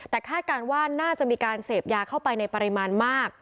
แต่คาดการณ์ว่าน่าจะมีการเสพยาเข้าไปในปริมาณมาก